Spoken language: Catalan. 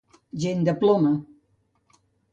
Gent de ploma.